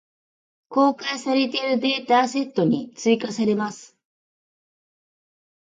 公開されているデータセットに追加せれます。